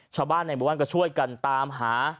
ชาวบ้านในหมู่บ้านก็ช่วยกันตามหา